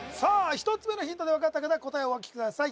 １つ目のヒントで分かった方答えをお書きください